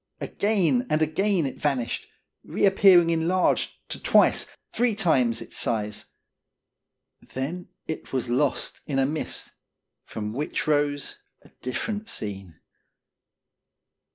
Again and again it vanished, re appearing enlarged to twice, three times, its size. Then it was lost in a mist, from which rose a different scene.